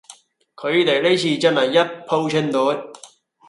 佢地呢次真係一鋪清袋